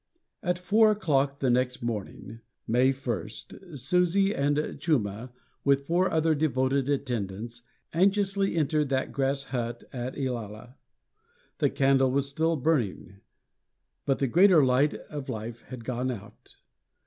At four o'clock the next morning, May 1, Susi and Chuma, with four other devoted attendants, anxiously entered that grass hut at Ilala. The candle was still burning, but the greater light of life had gone out.